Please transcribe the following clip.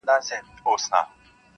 د بُت له ستوني اورمه آذان څه به کوو؟-